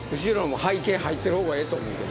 背景入ってる方がええと思うけど。